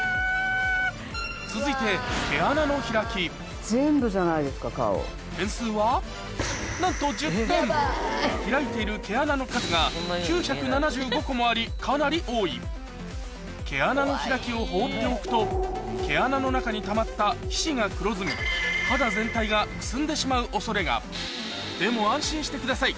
続いて毛穴の開き点数はなんと開いている毛穴の数がもありかなり多い毛穴の開きを放っておくと毛穴の中にたまった皮脂が黒ずみ肌全体がくすんでしまう恐れがでも安心してください